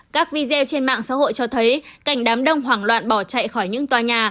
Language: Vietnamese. các video trên mạng xã hội cho thấy cảnh đám đông hoảng loạn bỏ chạy khỏi những tòa nhà